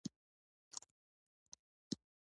خلک د کرنیزو محصولاتو تولید ته زړه نه ښه کوي.